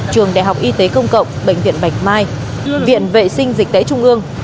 trường đại học y tế công cộng bệnh viện bạch mai viện vệ sinh dịch tễ trung ương